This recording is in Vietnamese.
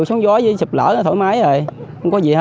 thì nó khỏe hơn ở ngoài